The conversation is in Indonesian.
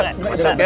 terima kasih boy